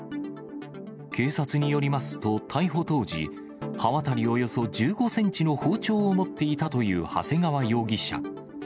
警察によりますと、逮捕当時、刃渡りおよそ１５センチの包丁を持っていたという長谷川容疑者。